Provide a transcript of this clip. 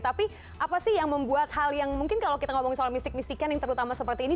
tapi apa sih yang membuat hal yang mungkin kalau kita ngomongin soal mistik mistikan yang terutama seperti ini